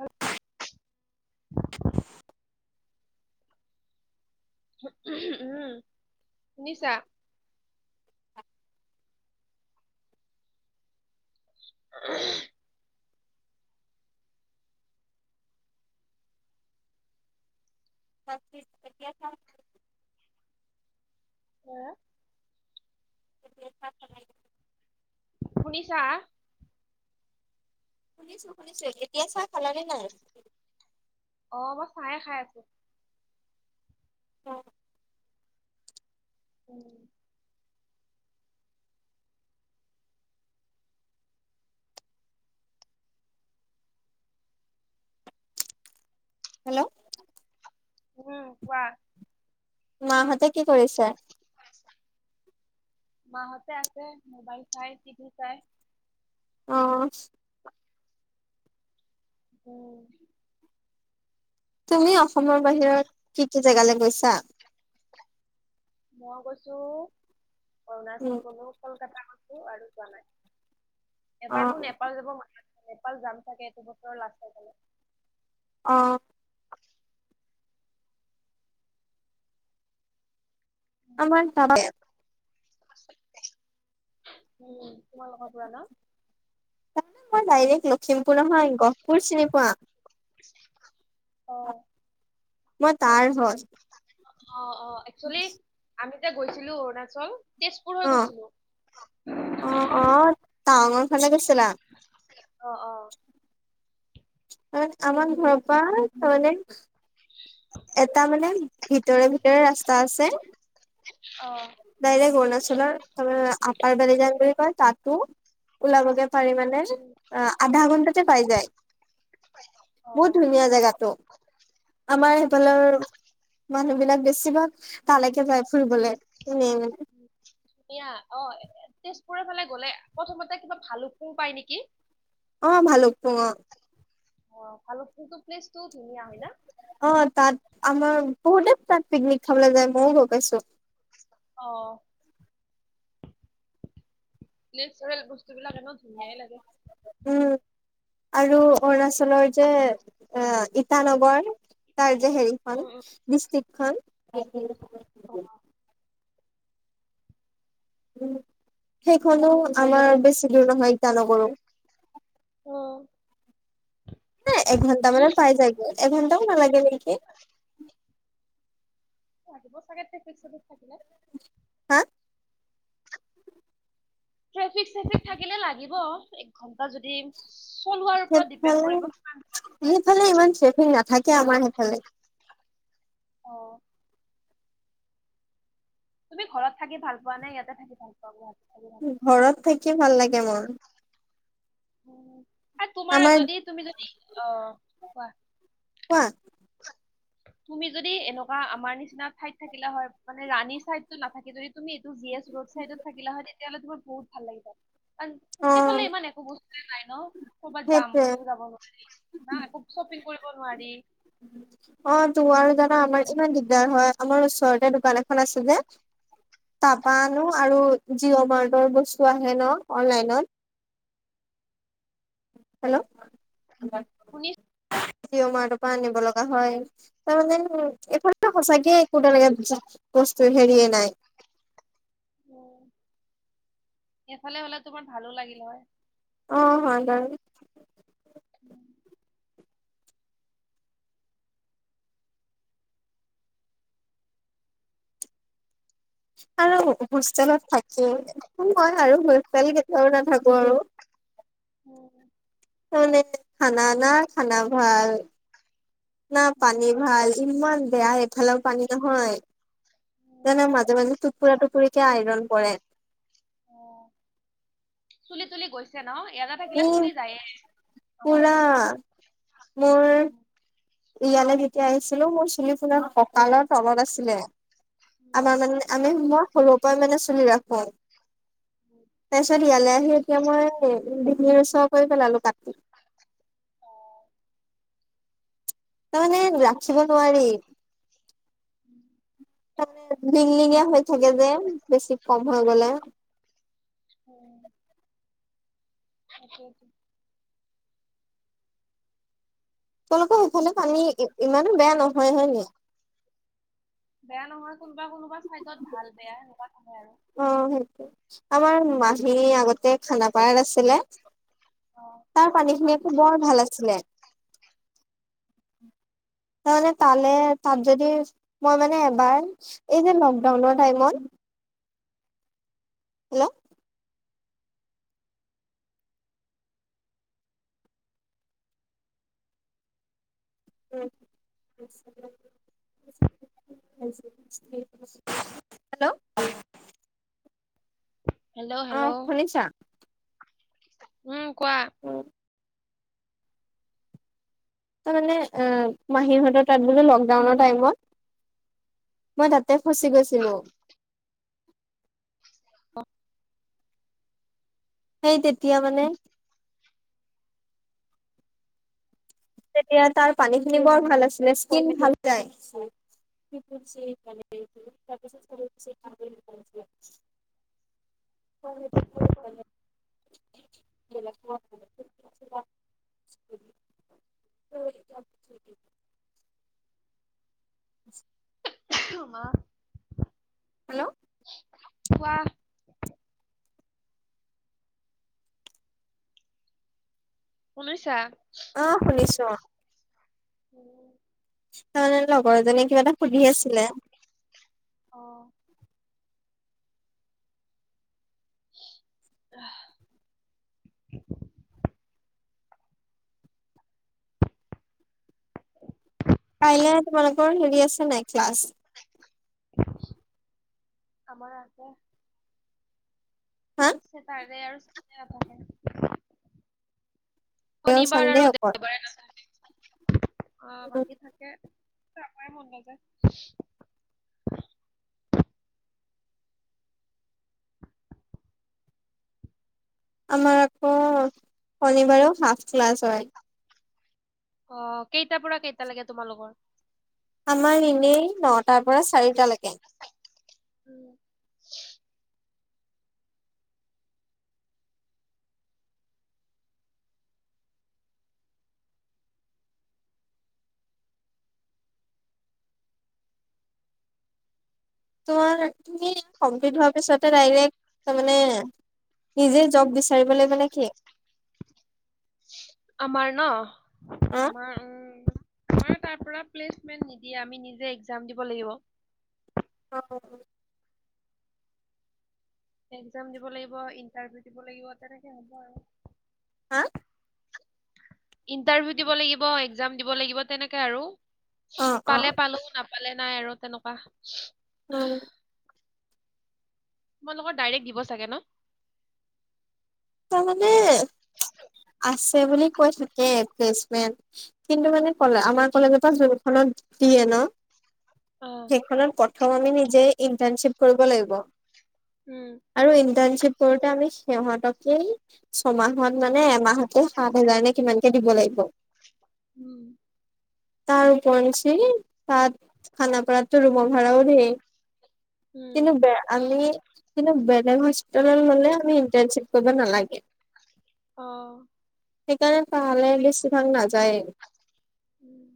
আৰু [unintelligible] উম শুনিছা। অ [unintelligible] তিছ এতিয়া [unintelligible] বা। দেখা চ [unintelligible] শুনিছা? শুনিছো শুনিছো এতিয়া চাহ খালানে নাই? অ মই চাহে খাই আছো। অ। উম। হেল্ল'। উম, কোৱা। মাহঁতে কি কৰিছে? মাহতে আছে মোবাইল চাই, টিভি চাই। অ, উম, তুমি অসমৰ বাহিৰত কি কি জেগালৈ গৈছা? মই গৈছোঁ, উম অৰুণাচল গলো, কলকাতা গলো। আৰু জানাই। অ এবাৰ মোৰ নেপাল যাব মন, নেপাল যাম চাগে এইটো বছৰৰ লাষ্টৰ ফালে। অহ, [inaudible] অকণমান পাৰে [unintelligible] উম, তোমালোকৰ পৰা ন? তাৰমানে মই ডাইৰেক্ট লখিমপুৰ নহয় গহপুৰ চিনি পোৱা? অহ, মই, তাৰ হয়। অহ, অ, একচলি আমি যে গৈছিলো অৰুণাচল তেজপুৰ হৈ অ গৈছিলো। অ' অ' টাউনৰ ফালে গৈছা। অ ' অ' আৰু আমাৰ ঘৰপা অনে, [unintelligible] এটা মানে ভিতৰে -ভিতৰে ৰাস্তা আছে। অ ডাইৰেক্ট অৰুণাচলৰ পৰা আপাৰ বেলি যাম বুলি কয় তাত। ত ' উলালুদে। পাৰি মানে উম, আধা ঘন্টাতে পাই যায় অ বহুত ধুনীয়া জেগাটো আমাৰ উম সেইফালৰ মানুহ বিলাক, [unintelligible] বেছিভাগ তালৈকে যায় ফুৰিবলে। এনেই মানে এয়া অ' তেজ, [unintelligible] পুৰৰফালে গলে প্ৰথমতে কিবা ভালুুকপুং পায় নেকি? অহ' ভালুকপুং অহ', অহ, ভালুকপুংটো প্লিছ, অহ, 'তাত আমাৰ বহু দ, [unintelligible] পিকনিক খাবলৈ যে মইও গৈ পাইছো। অ', নেচাৰেল বস্তু [unintelligible] ধুনীয়াই লাগে উম 'আৰু অৰুণাচলৰ যে, ইটানগৰ তাৰে হেৰিখন উম ডিষ্টিক খন। সেইখনো আমাৰ বেছি দূৰ নহয়, ইটানগৰো। উম'। একঘণ্টা মানে উম পাই যায় গে। এঘণ্টাও নালাগে। [unintelligible] লাগিব চাগে ট্ৰেফিক- চেফিক থাকিলে। হা'। ট্ৰেফিক-চেফিক থাকিলে লাগিব। এক ঘন্টা যদি, চলোৱাৰ ওপৰত ডিপেণ্ড ফালে কৰিব কিমান হয়। সেইফালে ইমান ট্ৰেফিক নাথাকে আমাৰ সেইফালে। অহ'। তুমি ঘৰত থাকি ভাল পোৱা নে, ইয়াতে থাকি ভাল পোৱা গুৱাহাটী? ঘৰত থাকি ভাল লাগে মোৰ। উম। তোমাৰ আমাৰ যদি, তুমি যদি অ' কোৱা? কোৱা? তুমি যদি এনেকুৱা আমাৰ নিচিনা ঠাইত থাকিলা হয়। মানে ৰাণী চাইটো নাথাকি যদি তুমি এইটো জি এ ৰ চাইত থাকিলা হয়, তেতিয়লেত ভাল লাগিলে হয়। অ সেইফালে ইমান একো বস্তু নাই ন, ক'বাত যাম সেইটোৱে বুলিও যাব নোৱাৰি না একো শ্বপিং কৰিব নোৱাৰি। অ তো আৰু জানা, আমাৰ ইমান দিগদাৰ হয়। আমাৰ ওচৰতে দোকান এখন আছে যে তাৰ পৰা আনো আৰু জিঅ' মাৰ্টৰ বস্তু আহে ন অনলাইনত। হেল্ল'। শুনিছো [inaudible] মাহটোৰ পৰা আনিব লগা হয়। উ এফালত সঁচা কিয় একোতা লা ত হেৰিয়ে নাই। উম', এইফালে হলে তোমাৰ ভালো লাগিল হয়। অ', হয় বাৰু। উম, আৰু হোষ্টেলত থাকিই আৰু হোষ্টেল কেতিয়াও নাথাকো আৰু। উম'। ম খানা না খানা ভাল। না পানী উম, ভাল, ইমান বেয়া। খোৱাৰ পানীটো ভাল? উম, জান মাজে মাজে টুপুৰা টোপুৰি কে আইৰন পৰে। উম। চুলি তুলি গৈছে ন? এইয়াতে থাকিলে ই চুলি যায়ে। আমাৰো পুৰা গৈছে। মোৰ ইয়ালৈ যেতিয়া আহিছিলো মোৰ চুলি পুৰা ককালৰ তলত আছিলে। উম আমাৰ মানে আমি সোমোৱা - সৰুৰ পৰাই মানে চুলি ৰাখো। উম তাৰপাছত ইয়ালে, [unintelligible] কৰি পেলালো কাটি। অ ত মানে ৰাখিব নোৱাৰি। লিংলিঙীয়া হৈ থাকে যে, বেছি কম হৈ গলে। অ। [inaudible] সাকাকে [unintelligible] তেওঁলোকৰ সেইফালে পানী ইমানো বেয়া নহয় হয় নাই? বেয়া নহয়। কোনোবা কোনোবা ছাইডত ভাল বেয়া এনেকুৱা। অ সেইটো, আমাৰ মাহী আগতে খানাপাৰাত আছিলে। অ তাৰ পানী খিনি, বৰ ভাল আছিলে। তাৰমানে তালে তাত যদি মই মানে এবাৰ এই যে লকডাউনৰ টাইমত, হেল্ল', হেল্ল', হেল্ল' অ হেল্ল', শুনিছা উম কোৱা। অ। তাৰ মানে এ মাহীৰ হতৰ তাত বোলো লকডাউনৰ টাইমত। মই তাতে ফচি গৈছিলো। অ। সেই তেতিয়া মানে, তেতিয়া তাৰ পানীখিনি বৰ ভাল আছিলে। স্কিন ভাল যায়। হয়টো [unintelligible] [inaudible] [inaudible] উ [inaudible] মা হেল্ল', কোৱা। শুনিচা? অ শুনিছো? উম। [inaudible] তাৰমানে লগৰ এজনে কিবা এটা সুধি আছিলে। অহ। [inaudible] কাইলৈ তোমালোকৰ আছে নাই ক্লাছ? আমাৰ আছে। হা স তাৰে আৰু। স তাকে। শনিবাৰ চানডে আৰু অকল দেওবাৰে? অ বাকী থাকে। যাবই মন নাযায়? আমাৰ আকৌ শনিবাৰে হাফ ক্লাছ হয়। অ কেইটাৰ পৰা কেইটা লাগে তোমালোকৰ? আমাৰ ইনেই নটাৰ পৰা চাৰিটালৈকে? উম তোমাৰ তুমি কমপ্লিট হোৱাৰ পিছতে ডাইৰেক্ তাৰ মানে নিজে জব বিচাৰিবলৈ মানে কি। আমাৰ ন। হা আমাৰ উ। আমাৰো তাৰপৰা প্লেচমেন নিদিয়ে, আমি নিজেই একজাম দিব লাগিব। অ একজাম দিব লাগিব ইণ্টাৰভিউ দিব লাগিব তেনেকে হ'ব আৰু। হা ইন্টাৰভিউ দিব লাগিব একজাম দিব লাগিব তেনেকে আৰু। অ অ পালে পালো নাপালে। নাই আৰু তেনেকুৱা? উম তোমালোকৰ ডাইৰেক্ট দিব চাগে ন? তাৰ মানে আছে বুলি কৈ থাকে প্লেচমেন্ট কিন্তু মানেলে আমাৰ কলেজৰ পৰা জোনখনত দিয়ে ন। অ সেইখনৰ প্ৰথম আমি নিজে। ইণ্টাৰ্ণশিপ কৰিব লাগিব। উম আৰু ইণ্টাৰ্ণশ্বিপ কৰতানে। সিহঁতক। এই ছমাহত মানে এমাহতে সাত হাজাৰ নে কিমানকে দিব লাগিব। উম তাৰ উপৰত সি তাত খানাপাৰাতটো ৰুমৰ ভাড়াও ধেই। উম কিন্তু বে আমি কিন্ত। হষ্টেললে আমি ইন্টা। কৰিব নালাগে? অ সেইকাৰণে পাহালে বেছিভাগ নায়। যায় উম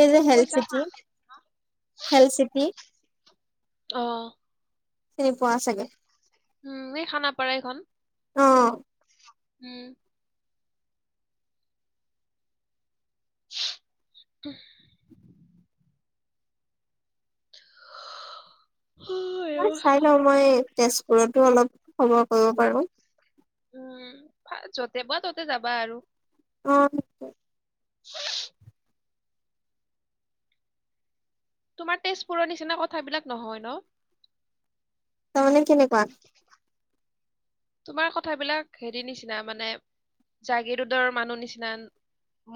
এ যে বহুত হেল পইচা চিটি হেল চিটি। অ। চিনি পোৱা চাগে উম এই খানাপাৰা এইখন। অ উম। [unintelligible] অ, মই আইঅ চাই লৈ মই তেজ। পোৰতো অলপ খবৰ কৰিব পাৰো। উম যতে পোৱা ততে যাবা আৰু। অ। তাকে [unintelligible] তোমাৰ তেজপুৰৰ নিচিনা কথাবিলাক নহয় ন। তাৰ মানে কেনেকুৱা। তোমাৰ কথাবিলাক হেৰি নিচিনা মানে জাগি ৰোদৰ মানুহ নিচিনা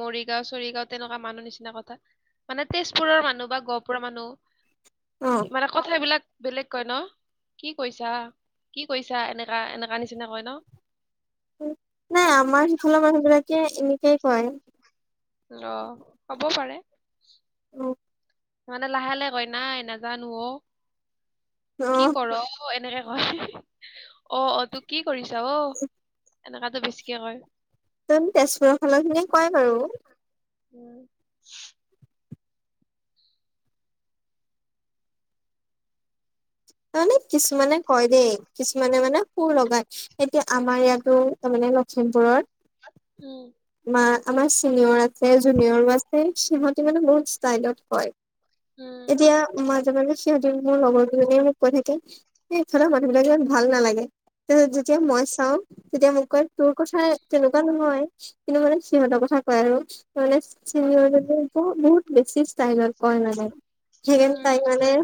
মৰিগাঁও চৰিগাও তেনেকুৱা মানুহ নিচিনা কথা মানে তেজপুৰৰ মানুহ বা গহপুৰৰ অ মানুহ। কি মানে কথাবিলাক। বেলেগ কয় ন কি কৈছা কি কৈছা এনেকা এনে। কা নিচিনা কয় ন। উ নাই আমাৰ সিফালৰ মানুহ বিলাক। এতিয়া এনেকেই কয়। অ হ'ব পাৰে। অ মানে লাহে লাহে কয় না এ নাজানো অ। কি কৰ এনেকে। অ অ তো কি। কৰিছা অ। এনেকাতো বেছিকে কয়। তেন তেজপুৰৰ ফালৰ খিনিয়ে কয় বাৰু। উম আনে কিছুমানে কয় দে। কিছুমানে মানে সুৰ লগায় এতিয়া আমাৰ ইয়াতো তাৰ মানে লখিমপুৰত। উম। আমাৰ চিনিয়ৰ আছে জুনিয়ৰো আছে সিহঁতে মানে বহুত ষ্টাইলত কয়। উম এতিয়া মাজে মাজে। সিহঁতি মোৰ লগৰ কিজনী। কৈ থাকে সিফালৰ মানুহ বিলাক ইমান ভাল নালাগে তাৰপিছত যেতিয়া মই চাওঁ তেতিয়া মোক কয় তোৰ কথা। তেনেকুৱা উম নহয়। কিন্তু মানে সিহঁতৰ কথা কয় আৰু মানে চিনিয়ৰ বহুত বহুত বেছি ষ্টাইলত কয় মানে। সেয়ে উম তাই মানে।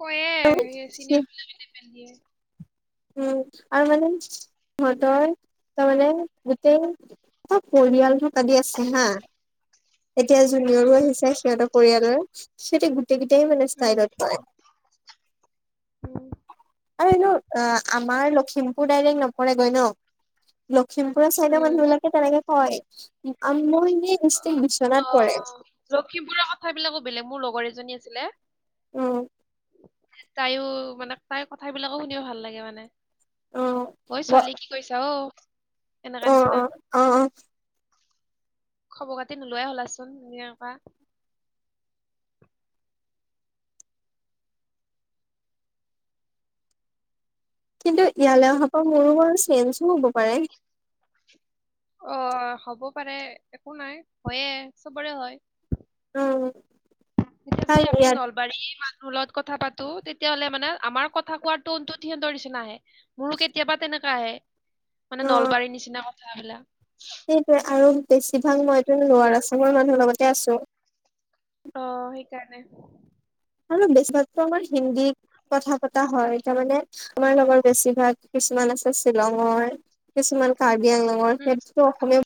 কয়ে চিনিয়ৰবিলাকে লেবেল দিয়ে। উম আৰু মানে মই তই তাৰমানে গোটেই চব পৰিয়াল হক আদি আছে হা এতিয়া জুনিয়ৰো উম আহিছে সিহঁতক পৰিয়ালৰ সিহতি [unintelligible] সেইখমানে উম ইচটালট পাই [unintelligible] উম। আৰু এনু [unintelligible] অ আমাৰ লখিমপুৰ। নপৰেগৈ ন [unintelligible] শিম্পুৰা চাইড উম মান লাগে তেনেকে [unintelligible] হয় মই। অ অ লখিমপুৰৰ কথাবিলাকো বেলেগ মোৰ লগৰ এজনী আ [unintelligible] ছিলে। উম। তাইও মানে তাইৰ কথাবিলাকো শুনিও ভাল লাগে মানে। উম। ঐ ব ছোৱালী কি কৰিছা অ। এনেকা অ নিচিনা অ অ অ। খবৰ পাতি নোলোৱাই হলাচোন এন [unintelligible] পৰা কিন্তু ইয়ালৈ অহা পৰা মোৰো আৰু। চেঞ্জো হ'ব পাৰে। অ হ'ব পাৰে একো নাই হয়ে চবৰে হয়। উম। ঠিক আ যদি কাৰণ আমি ইয়াত নলবাৰী [unintelligible] ুলত কথা পাতো তেতিয়াাহলে মানে আমাৰ কথা কোৱাৰ টনটো সিহঁতৰ নিচিনা আহে মোৰো কেতিয়াবা তেনেকা আহে [unintelligible] মানে অ নলবাৰীৰ নিচিনা। চাহ খালা [unintelligible] সেইটোৱে আৰু বেছিভাগ মইটো লোৱাৰ আছামৰ মানুহৰ লগতে আছো। অ সেইকাৰণে। আৰু বেছিভাগতো আমাৰ হিন্দী কথা পতা হয়, তাৰ মানে আমাৰ লগৰ বেছিভাগ কিছুমান আছে শ্বিলঙৰ কিছুমান কাৰ্বি। শ্বিলঙৰ উম সেইটো অসমীয়া [unintelligible]